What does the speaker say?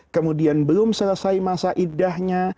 kemudian belum selesai masa indahnya